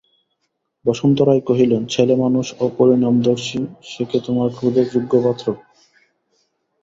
বসন্ত রায় কহিলেন, ছেলেমানুষ, অপরিণামদর্শী, সে কি তোমার ক্রোধের যোগ্য পাত্র?